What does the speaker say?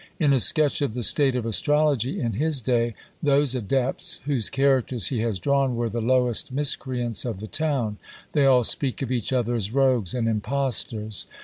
In a sketch of the state of astrology in his day, those adepts, whose characters he has drawn, were the lowest miscreants of the town. They all speak of each other as rogues and impostors.